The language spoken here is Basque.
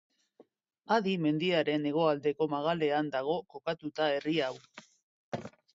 Adi mendiaren hegoaldeko magalean dago kokatuta herri hau.